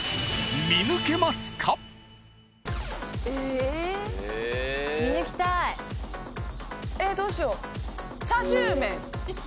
えっどうしよう。